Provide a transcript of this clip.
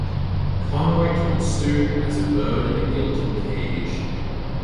Conroy taunts Stew as a bird in a gilded cage.